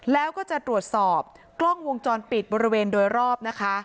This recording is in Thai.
แล้วก็จะตรวจสอบกล้องวงจรปิดบริเวณโดยรอบนะคะ